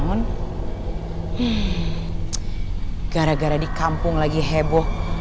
gara gara di kampung lagi heboh